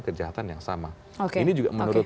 kejahatan yang sama ini juga menurut